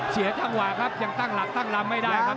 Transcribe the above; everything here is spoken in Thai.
เสียจังหวะครับยังตั้งหลักตั้งลำไม่ได้ครับ